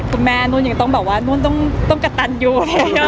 คุณแม่นู้นต้องกระตั้นอยู่